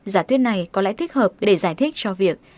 giả thuyết này có lẽ thích hợp để giải thích cho việc